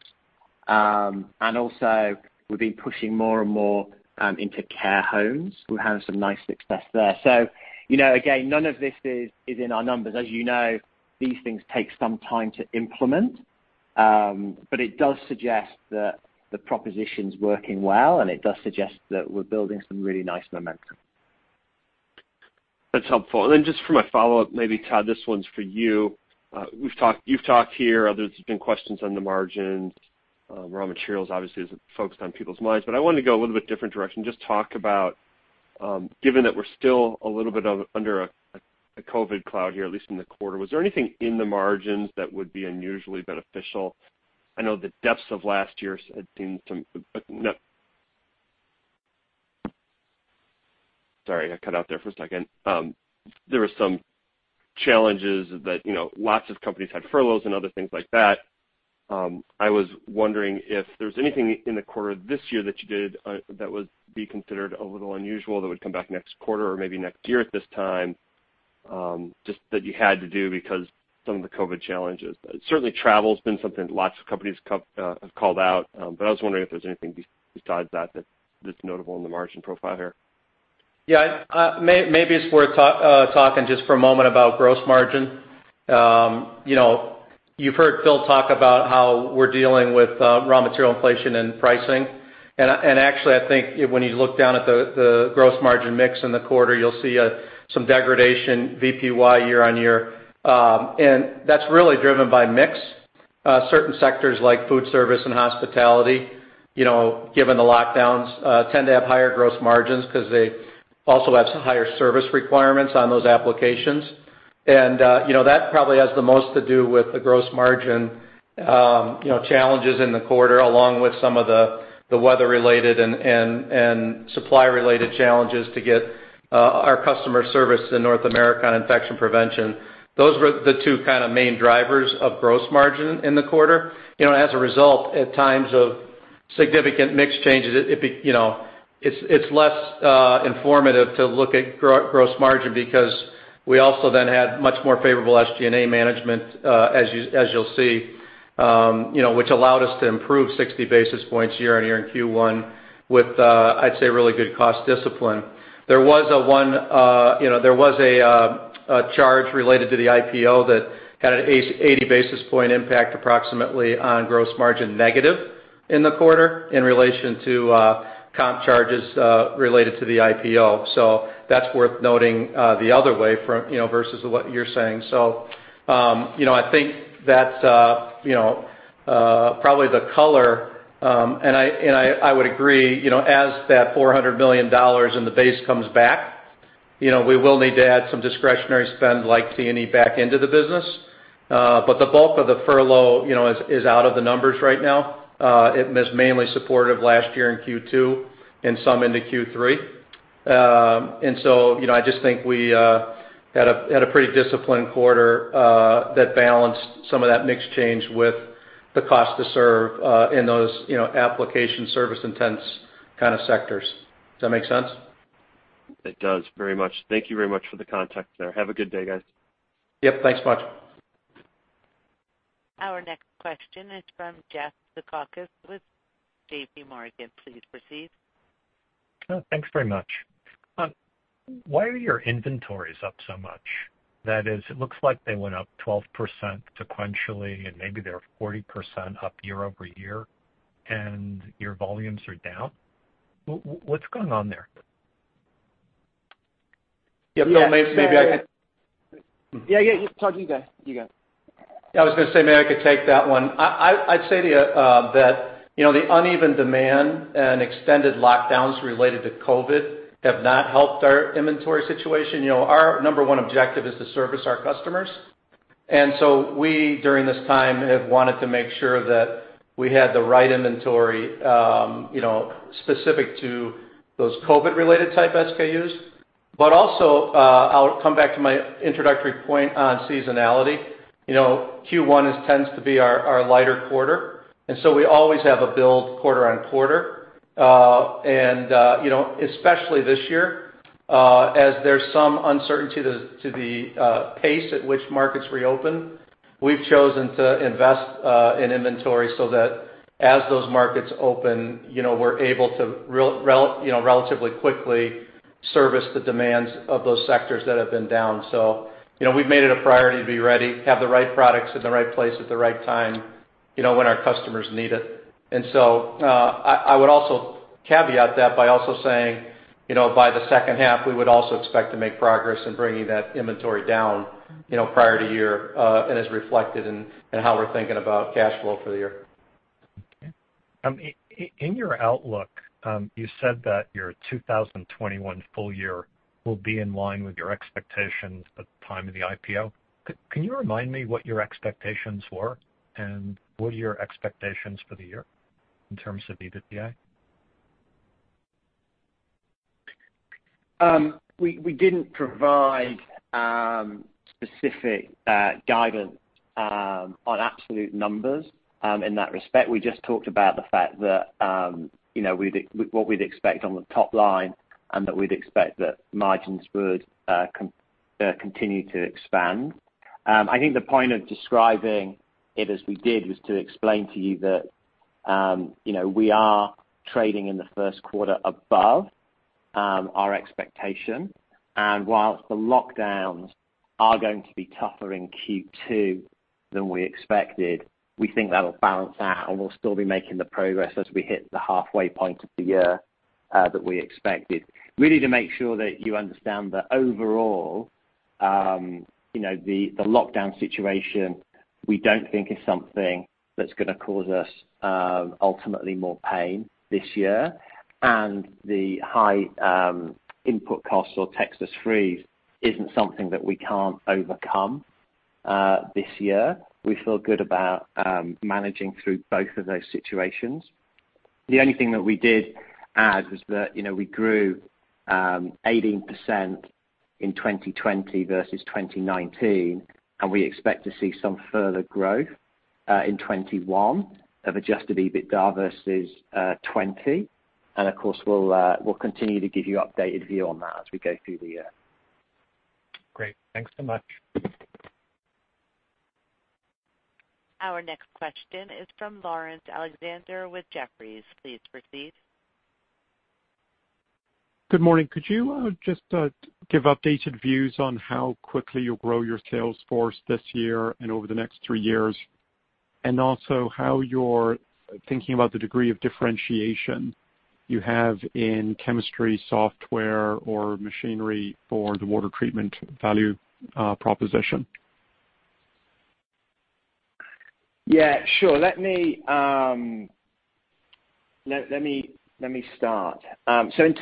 Also, we've been pushing more and more into care homes. We're having some nice success there. Again, none of this is in our numbers. As you know, these things take some time to implement. It does suggest that the proposition's working well, and it does suggest that we're building some really nice momentum. That's helpful. Then just for my follow-up, maybe Todd, this one's for you. You've talked here, others have been questions on the margins. Raw materials obviously is focused on people's minds, but I wanted to go a little bit different direction. Just talk about given that we're still a little bit under a COVID cloud here, at least in the quarter, was there anything in the margins that would be unusually beneficial? There were some challenges that lots of companies had furloughs and other things like that. I was wondering if there's anything in the quarter this year that you did that would be considered a little unusual that would come back next quarter or maybe next year at this time, just that you had to do because some of the COVID challenges. Certainly, travel's been something lots of companies have called out. I was wondering if there's anything besides that's notable in the margin profile here. Yeah. Maybe it's worth talking just for a moment about gross margin. You've heard Phil talk about how we're dealing with raw material inflation and pricing. Actually, I think when you look down at the gross margin mix in the quarter, you'll see some degradation v. PY Year-on-year. That's really driven by mix. Certain sectors like Food Service and Hospitality, given the lockdowns, tend to have higher gross margins because they also have some higher service requirements on those applications. That probably has the most to do with the gross margin challenges in the quarter, along with some of the weather-related and supply-related challenges to get our customer service in North America on infection prevention. Those were the two main drivers of gross margin in the quarter. As a result, at times of significant mix changes, it's less informative to look at gross margin because we also then had much more favorable SG&A management, as you'll see, which allowed us to improve 60 basis points year-on-year in Q1 with, I'd say, really good cost discipline. There was a charge related to the IPO that had an 80 basis point impact approximately on gross margin negative in the quarter in relation to comp charges related to the IPO. That's worth noting the other way versus what you're saying. I think that's probably the color. I would agree, as that $400 million in the base comes back, we will need to add some discretionary spend like T&E back into the business. The bulk of the furlough is out of the numbers right now. It was mainly supportive last year in Q2 and some into Q3. I just think we had a pretty disciplined quarter that balanced some of that mix change with the cost to serve in those application service intense kind of sectors. Does that make sense? It does, very much. Thank you very much for the context there. Have a good day, guys. Yep. Thanks much. Our next question is from Jeff Zekauskas with JPMorgan. Please proceed. Thanks very much. Why are your inventories up so much? That is, it looks like they went up 12% sequentially, and maybe they're 40% up year-over-year, and your volumes are down. What's going on there? Yeah, Phil, maybe. Yeah. Yeah, yeah, Todd, you go. You go. Yeah, I was going to say, maybe I could take that one. I'd say to you that the uneven demand and extended lockdowns related to COVID have not helped our inventory situation. Our number one objective is to service our customers. We, during this time, have wanted to make sure that we had the right inventory specific to those COVID-related type SKUs. Also, I'll come back to my introductory point on seasonality. Q1 tends to be our lighter quarter, and so we always have a build quarter-on-quarter. Especially this year, as there's some uncertainty to the pace at which markets reopen, we've chosen to invest in inventory so that as those markets open, we're able to relatively quickly service the demands of those sectors that have been down. We've made it a priority to be ready, have the right products in the right place at the right time, when our customers need it. I would also caveat that by also saying, by the second half, we would also expect to make progress in bringing that inventory down prior to year, and is reflected in how we're thinking about cash flow for the year. Okay. In your outlook, you said that your 2021 full year will be in line with your expectations at the time of the IPO. Can you remind me what your expectations were, and what are your expectations for the year in terms of EBITDA? We didn't provide specific guidance on absolute numbers in that respect. We just talked about the fact that what we'd expect on the top line, and that we'd expect that margins would continue to expand. I think the point of describing it as we did was to explain to you that we are trading in the first quarter above our expectation. Whilst the lockdowns are going to be tougher in Q2 than we expected, we think that'll balance out and we'll still be making the progress as we hit the halfway point of the year, that we expected. Really to make sure that you understand that overall, the lockdown situation, we don't think is something that's going to cause us ultimately more pain this year. The high input costs or Texas freeze isn't something that we can't overcome this year. We feel good about managing through both of those situations. The only thing that we did add was that we grew 18% in 2020 versus 2019, and we expect to see some further growth in 2021 of adjusted EBITDA versus 2020. Of course, we'll continue to give you updated view on that as we go through the year. Great. Thanks so much. Our next question is from Laurence Alexander with Jefferies. Please proceed. Good morning. Could you just give updated views on how quickly you'll grow your sales force this year and over the next three years? Also how you're thinking about the degree of differentiation you have in chemistry software or machinery for the water treatment value proposition? Yeah, sure. Let me start.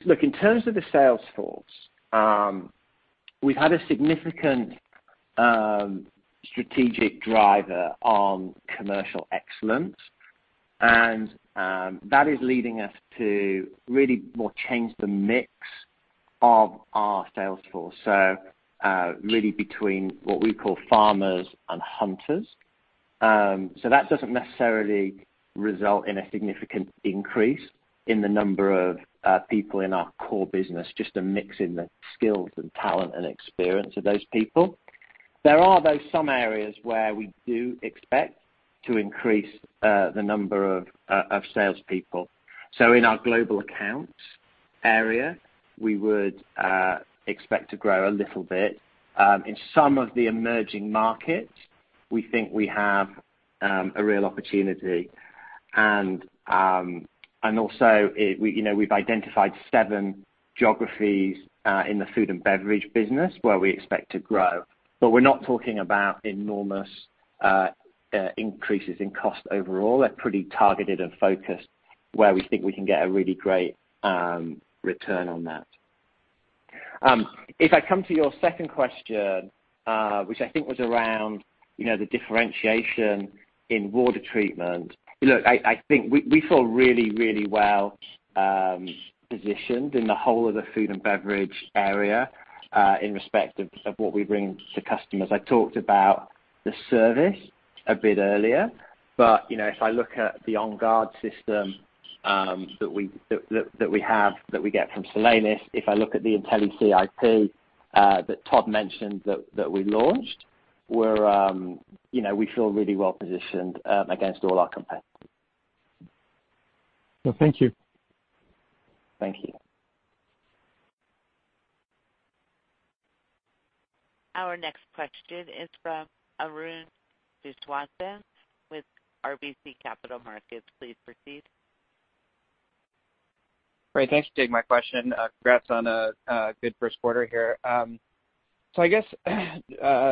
Look, in terms of the sales force, we've had a significant strategic driver on commercial excellence. That is leading us to really more change the mix of our sales force. Really between what we call farmers and hunters. That doesn't necessarily result in a significant increase in the number of people in our core business, just a mix in the skills and talent and experience of those people. There are, though, some areas where we do expect to increase the number of salespeople. In our global accounts area, we would expect to grow a little bit. In some of the emerging markets, we think we have a real opportunity and also, we've identified seven geographies in the Food & Beverage business where we expect to grow. We're not talking about enormous increases in cost overall. They're pretty targeted and focused where we think we can get a really great return on that. I come to your second question, which I think was around the differentiation in water treatment. I think we feel really, really well positioned in the whole of the Food & Beverage area in respect of what we bring to customers. I talked about the service a bit earlier, but if I look at the OnGuard system that we have that we get from Solenis, if I look at the IntelliCIP that Todd mentioned that we launched, where we feel really well-positioned against a lot of competitors. Well, thank you. Thank you. Our next question is from Arun Viswanathan with RBC Capital Markets. Please proceed. Right. Thanks for taking my question. Congrats on a good first quarter here. I guess I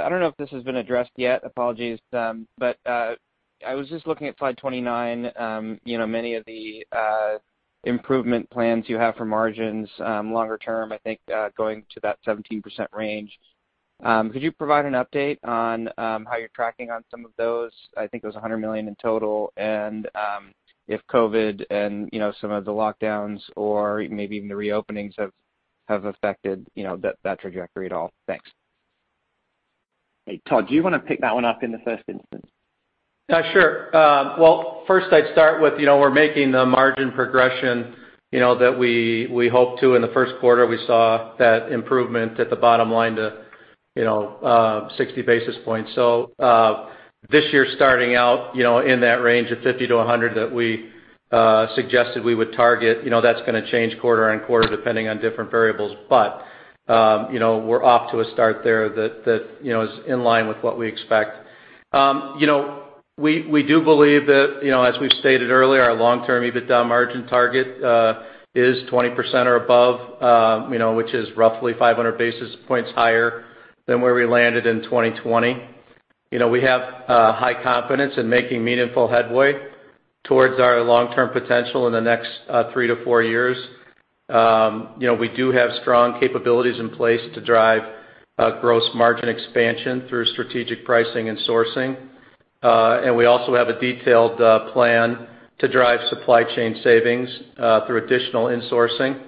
don't know if this has been addressed yet, apologies. I was just looking at slide 29, many of the improvement plans you have for margins longer term, I think, going to that 17% range. Could you provide an update on how you're tracking on some of those? I think it was $100 million in total, and if COVID and some of the lockdowns or maybe even the reopenings have affected that trajectory at all. Thanks. Hey, Todd, do you want to pick that one up in the first instance? First I'd start with we're making the margin progression that we hoped to in the first quarter. We saw that improvement at the bottom line to 60 basis points. This year starting out in that range of 50-100 basis points that we suggested we would target. That's going to change quarter on quarter depending on different variables. We're off to a start there that is in line with what we expect. We do believe that, as we stated earlier, our long-term EBITDA margin target is 20% or above, which is roughly 500 basis points higher than where we landed in 2020. We have high confidence in making meaningful headway towards our long-term potential in the next three to four years. We do have strong capabilities in place to drive gross margin expansion through strategic pricing and sourcing. We also have a detailed plan to drive supply chain savings through additional insourcing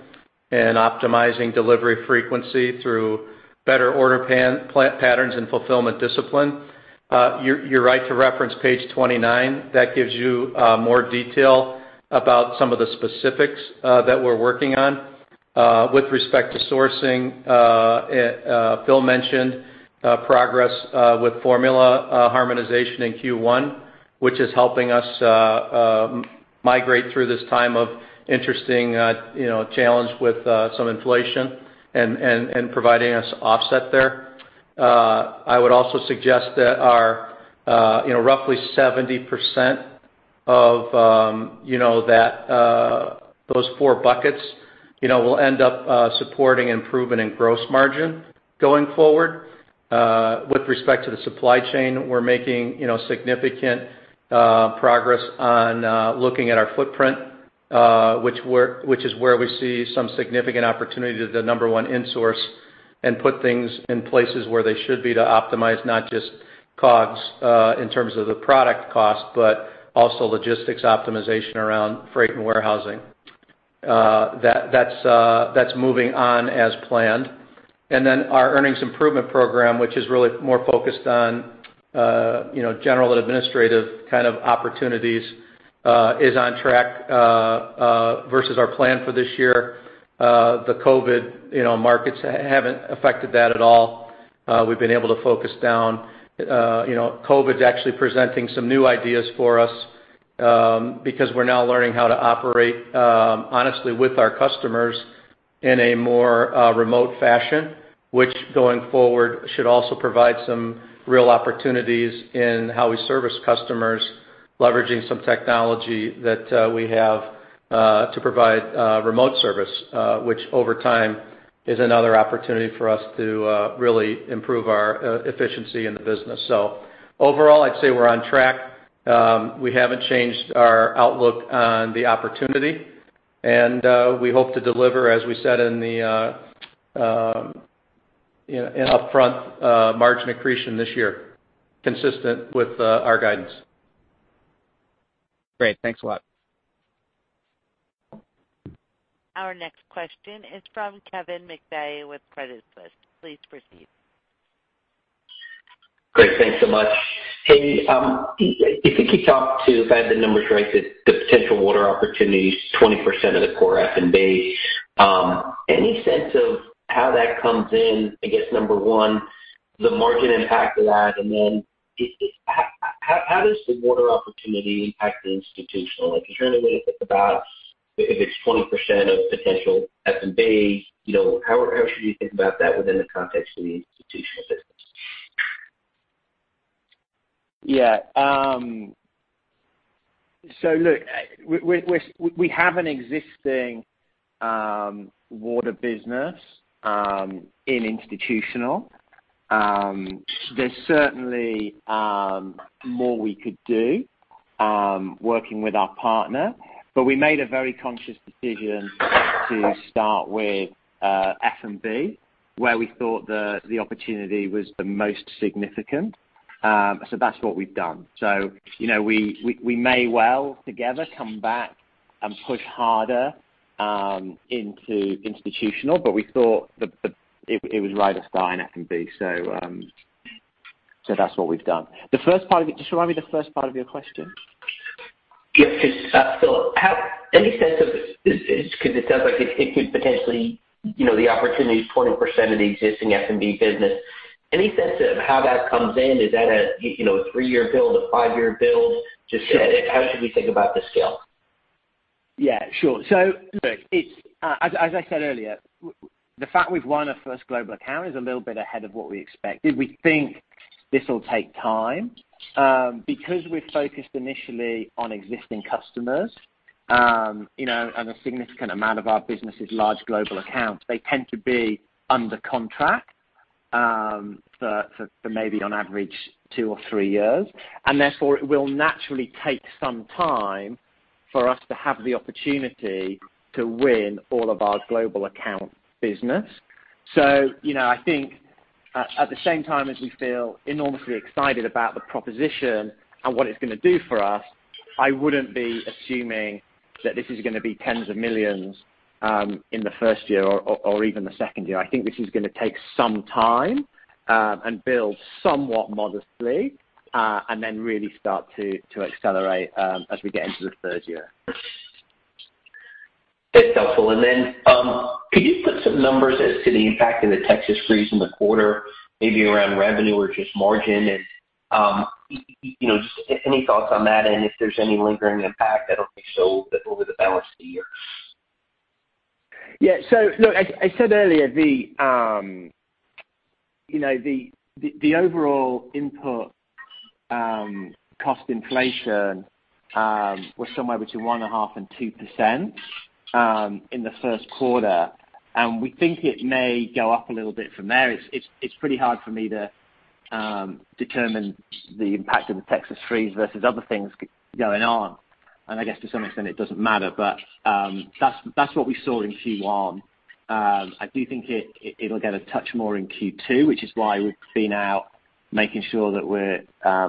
and optimizing delivery frequency through better order patterns and fulfillment discipline. You're right to reference page 29. That gives you more detail about some of the specifics that we're working on. With respect to sourcing, Phil mentioned progress with formula harmonization in Q1, which is helping us migrate through this time of interesting challenge with some inflation and providing us offset there. I would also suggest that roughly 70% of those four buckets will end up supporting improvement in gross margin going forward. With respect to the supply chain, we're making significant progress on looking at our footprint, which is where we see some significant opportunity to, number one, insource and put things in places where they should be to optimize not just COGS in terms of the product cost, but also logistics optimization around freight and warehousing. That's moving on as planned. Our earnings improvement program, which is really more focused on general and administrative kind of opportunities is on track versus our plan for this year. The COVID markets haven't affected that at all. We've been able to focus down. COVID's actually presenting some new ideas for us because we're now learning how to operate honestly with our customers in a more remote fashion, which going forward should also provide some real opportunities in how we service customers, leveraging some technology that we have to provide remote service. Which over time is another opportunity for us to really improve our efficiency in the business. Overall, I'd say we're on track. We haven't changed our outlook on the opportunity, and we hope to deliver, as we said in upfront margin accretion this year, consistent with our guidance. Great. Thanks a lot. Our next question is from Kevin McVeigh with Credit Suisse. Please proceed. Great, thanks so much. Hey, if you could talk to, if I have the numbers right, the potential water opportunity is 20% of the core F&B. Any sense of how that comes in, I guess number one, the margin impact of that and then how does the water opportunity impact the Institutional? If you're only looking at about, if it's 20% of potential F&B, how should we think about that within the context of the Institutional business? Look, we have an existing water business in Institutional. There's certainly more we could do working with our partner, but we made a very conscious decision to start with F&B where we thought the opportunity was the most significant. That's what we've done. We may well together come back and push harder into Institutional, but we thought that it was right to start in F&B. That's what we've done. Just remind me the first part of your question? Just, Phil, any sense of, because it sounds like it could potentially, the opportunity is 20% of the existing F&B business. Any sense of how that comes in? Is that a three-year build, a five-year build? Just how should we think about the scale? Yeah, sure. As I said earlier, the fact we've won a first global account is a little bit ahead of what we expected. We think this'll take time. Because we've focused initially on existing customers, and a significant amount of our business is large global accounts, they tend to be under contract, for maybe on average two or three years. Therefore, it will naturally take some time for us to have the opportunity to win all of our global account business. I think at the same time as we feel enormously excited about the proposition and what it's going to do for us, I wouldn't be assuming that this is going to be tens of millions in the first year or even the second year. I think this is going to take some time, and build somewhat modestly, and then really start to accelerate as we get into the third year. That's helpful. Could you put some numbers as to the impact of the Texas freeze in the quarter, maybe around revenue or just margin? Just any thoughts on that and if there's any lingering impact that'll be sold over the balance of the year? Yeah. Look, as I said earlier, the overall input cost inflation was somewhere between 1.5% and 2% in the first quarter. We think it may go up a little bit from there. It's pretty hard for me to determine the impact of the Texas freeze versus other things going on. I guess to some extent it doesn't matter, but that's what we saw in Q1. I do think it'll get a touch more in Q2, which is why we've been out making sure that we're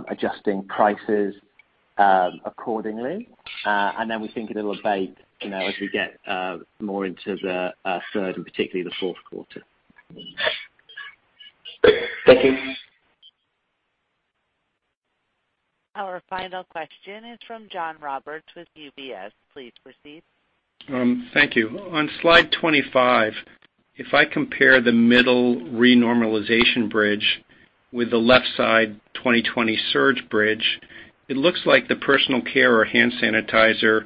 adjusting prices accordingly. We think it'll abate as we get more into the third and particularly the fourth quarter. Great. Thank you. Our final question is from John Roberts with UBS. Please proceed. Thank you. On slide 25, if I compare the middle renormalization bridge with the left side 2020 surge bridge, it looks like the personal care or hand sanitizer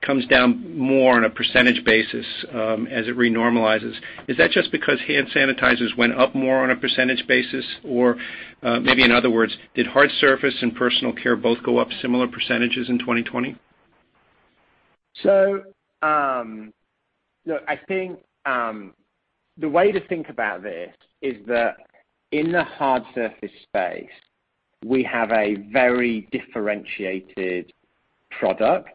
comes down more on a percentage basis as it renormalizes. Is that just because hand sanitizers went up more on a percentage basis? Maybe in other words, did hard surface and personal care both go up similar percentages in 2020? Look, I think the way to think about this is that in the hard surface space, we have a very differentiated product.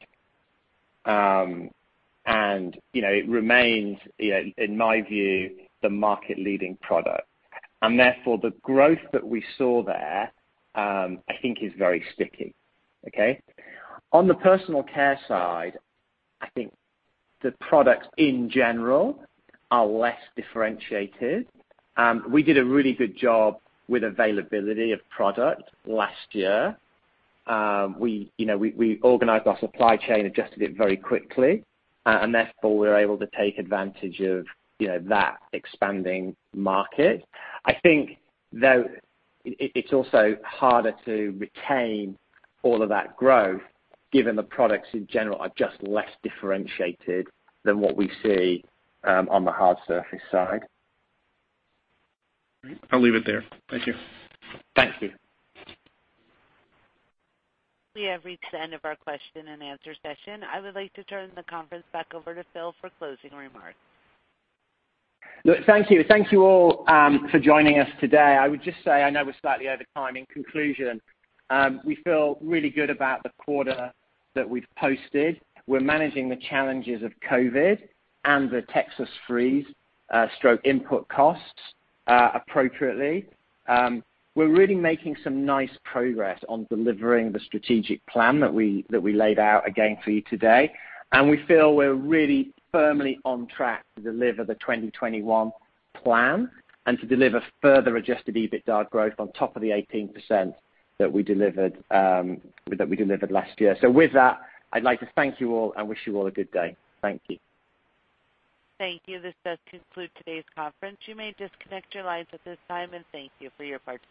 It remains, in my view, the market leading product. Therefore, the growth that we saw there, I think is very sticky. Okay? On the personal care side, I think the products in general are less differentiated. We did a really good job with availability of product last year. We organized our supply chain, adjusted it very quickly, and therefore, we were able to take advantage of that expanding market. I think though, it's also harder to retain all of that growth given the products in general are just less differentiated than what we see on the hard surface side. All right. I'll leave it there. Thank you. Thank you. We have reached the end of our question-and-answer session. I would like to turn the conference back over to Phil for closing remarks. Look, thank you. Thank you all for joining us today. I would just say, I know we're slightly over time. In conclusion, we feel really good about the quarter that we've posted. We're managing the challenges of COVID and the Texas freeze/input costs appropriately. We're really making some nice progress on delivering the strategic plan that we laid out again for you today, and we feel we're really firmly on track to deliver the 2021 plan and to deliver further adjusted EBITDA growth on top of the 18% that we delivered last year. With that, I'd like to thank you all and wish you all a good day. Thank you. Thank you. This does conclude today's conference. You may disconnect your lines at this time, and thank you for your participation.